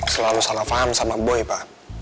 selalu salah paham sama boy pak